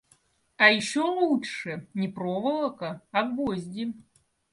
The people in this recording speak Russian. А еще лучше не проволока, а гвозди.